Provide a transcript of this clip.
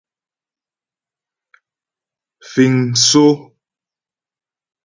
Fíŋ msó.